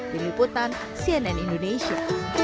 diliputan cnn indonesia